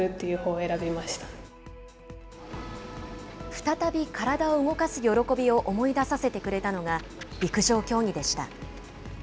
再び体を動かす喜びを思い出させてくれたのが、陸上競技でした。